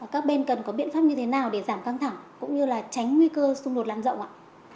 các bên cần có biện pháp như thế nào để giảm căng thẳng cũng như là tránh nguy cơ xung đột lan rộng ạ